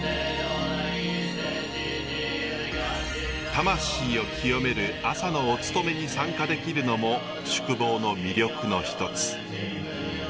魂を清める朝のお勤めに参加できるのも宿坊の魅力の一つ。